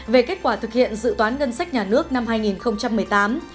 về kết quả thực hiện dự toán ngân sách nhà nước năm hai nghìn một mươi tám